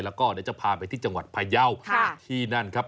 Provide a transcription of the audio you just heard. แล้วก็เดี๋ยวจะพาไปที่จังหวัดพายาวที่นั่นครับ